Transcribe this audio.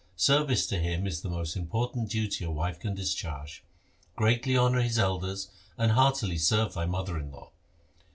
Service to him is the most important duty a wife can discharge. Greatly honour his elders, and heartily serve thy mother in law.'